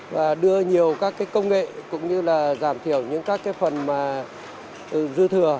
và đưa nhiều các công nghệ cũng như là giảm thiểu những các phần dư thừa